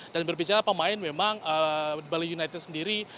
dan berbicara pemain memang bali united sendiri